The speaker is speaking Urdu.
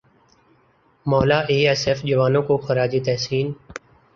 مولا اے ایس ایف جوانوں کو خراج تحسین